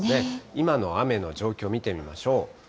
今の雨の状況見てみましょう。